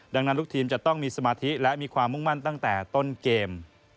ดังนั้นลูกทีมจะต้องมีสมาธิและมีความมุ่งมั่นตั้งแต่ต้นเกม